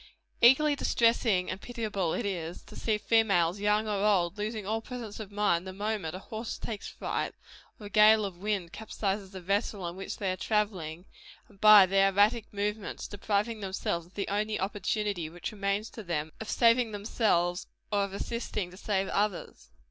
Equally distressing and pitiable is it, to see females, young or old, losing all presence of mind the moment a horse takes fright, or a gale of wind capsizes the vessel in which they are travelling, and by their erratic movements, depriving themselves of the only opportunity which remains to them, of saving themselves or of assisting to save others.